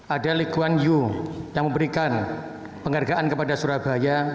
ada likuan yu yang memberikan penghargaan kepada surabaya